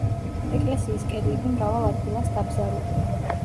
ეკლესიის კედლები მრავალ ადგილას დაბზარულია.